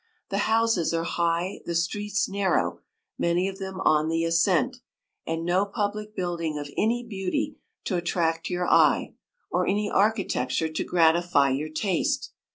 The houses are high, the streets narrow, many of them on the ascent, and no public building of any beauty to attract your eye, or any architecture to gratify your taste.